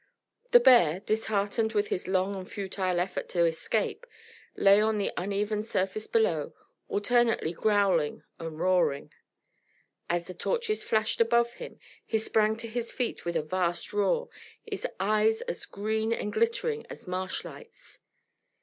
The bear, disheartened with his long and futile effort to escape, lay on the uneven surface below, alternately growling and roaring. As the torches flared above him he sprang to his feet with a vast roar, his eyes as green and glittering as marsh lights.